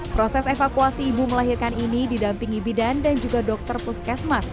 proses evakuasi ibu melahirkan ini didampingi bidan dan juga dokter puskesmas